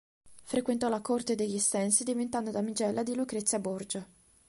Frequentò la corte degli Estensi diventando damigella di Lucrezia Borgia.